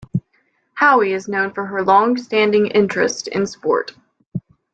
Hoey is known for her longstanding interest in sport.